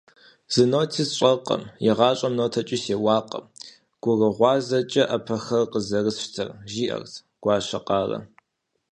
- Зы ноти сщӀэркъым, игъащӀэм нотэкӀи сеуакъым, гурыгъуазэкӀэт Ӏэпэхэр къызэрысщтэр, - жиӏэрт Гуащэкъарэ.